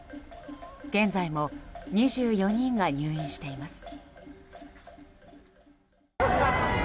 現在も２４人が入院しています。